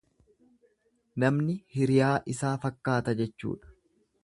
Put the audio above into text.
Namni hiriyaa isaa fakkaata jechuudha.